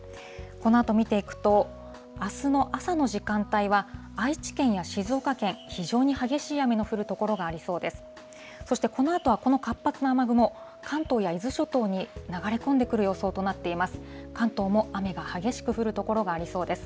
このあと見ていくと、あすの朝の時間帯は愛知県や静岡県、非常に激しい雨の降る所がありそうです。